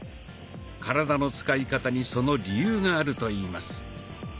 体の使い方にその理由があるといいます。